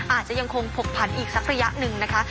อาจจะยังคงผลักภัณฑ์อีกสักสักสัญญานะคะ